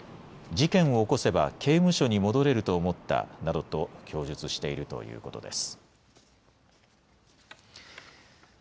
事件を起こせば刑務所に戻れると思ったなどと供述しているということです。